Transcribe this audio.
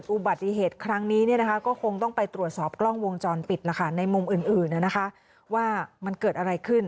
อุบัติเหตุครั้งนี้ก็คงต้องไปตรวจสอบกล้องวงจรปิดในมุมอื่นว่ามันเกิดอะไรขึ้น